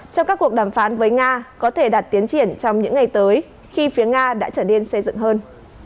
trong các cuộc đàm phán với nga có thể đạt tiến triển trong những ngày tới khi phía nga đã trở nên xây dựng hơn